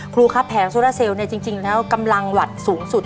ครูครับแผงโซราเซลล์จริงแล้วกำลังหวัดสูงสุด